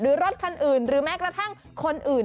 รถคันอื่นหรือแม้กระทั่งคนอื่น